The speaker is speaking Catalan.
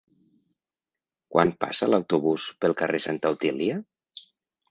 Quan passa l'autobús pel carrer Santa Otília?